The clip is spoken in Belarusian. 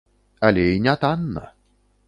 Але і не танна.